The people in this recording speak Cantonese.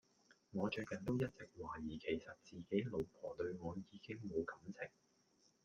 我最近都一直懷疑其實自己老婆對我可能已經無感情